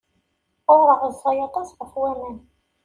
Ureɣ ẓẓay aṭas ɣef waman.